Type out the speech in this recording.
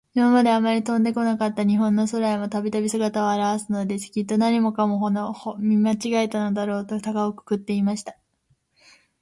いままで、あまり飛んでこなかった日本の空へも、たびたび、すがたをあらわすのです。きっと、なにかほかのものと、見まちがえたのだろうと、たかをくくっていました。